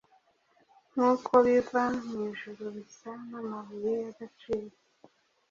Nkuko biva mwijuru bisa namabuye yagaciro